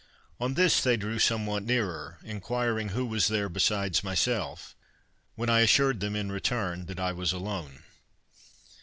On this they drew somewhat nearer, inquiring who was there besides myself? when I assured them, in return, that I was alone.